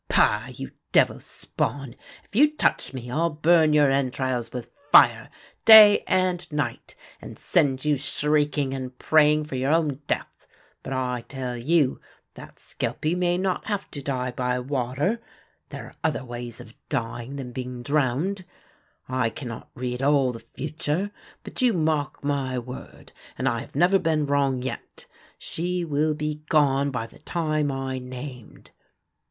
Pah, you devil's spawn! If you touch me I'll burn your entrails with fire, day and night, and send you shrieking and praying for your own death. But I tell you, that skelpie may not have to die by water. There are other ways of dying than being drowned. I cannot read all the future, but you mark my word, and I have never been wrong yet, she will be gone by the time I named.